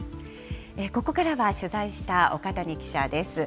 ここからは、取材した岡谷記者です。